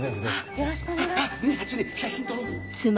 よろしくお願いし。